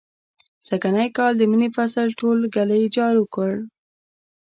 سږنی کال د مني فصل ټول ږلۍ جارو کړ.